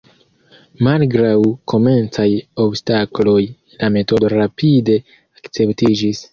Malgraŭ komencaj obstakloj, la metodo rapide akceptiĝis.